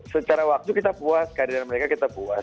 secara waktu kita puas kehadiran mereka kita puas